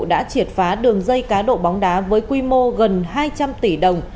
đã triệt phá đường dây cá độ bóng đá với quy mô gần hai trăm linh tỷ đồng